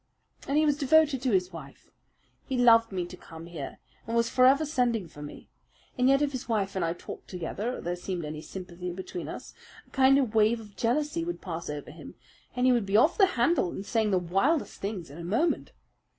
And he was devoted to his wife. He loved me to come here, and was forever sending for me. And yet if his wife and I talked together or there seemed any sympathy between us, a kind of wave of jealousy would pass over him, and he would be off the handle and saying the wildest things in a moment.